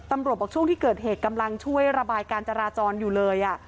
บอกช่วงที่เกิดเหตุกำลังช่วยระบายการจราจรอยู่เลย